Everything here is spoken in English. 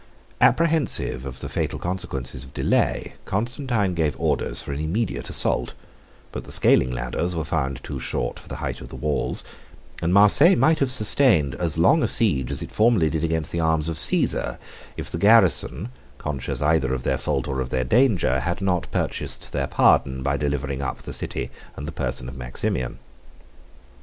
Apprehensive of the fatal consequences of delay, Constantine gave orders for an immediate assault; but the scaling ladders were found too short for the height of the walls, and Marseilles might have sustained as long a siege as it formerly did against the arms of Cæsar, if the garrison, conscious either of their fault or of their danger, had not purchased their pardon by delivering up the city and the person of Maximian.